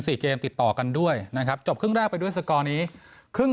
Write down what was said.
เกมติดต่อกันด้วยนะครับจบครึ่งแรกไปด้วยสกอร์นี้ครึ่ง